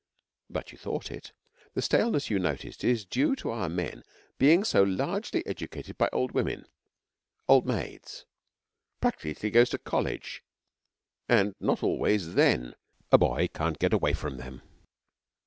'But you thought it. The staleness you noticed is due to our men being so largely educated by old women old maids. Practically till he goes to College, and not always then, a boy can't get away from them.'